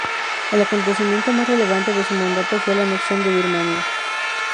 El acontecimiento más relevante de su mandato fue la anexión de Birmania.